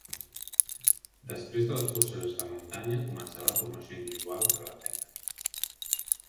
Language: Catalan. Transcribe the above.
Després de les curses de muntanya començarà la formació individual per a la feina.